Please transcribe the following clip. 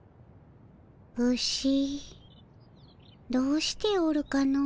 牛どうしておるかの。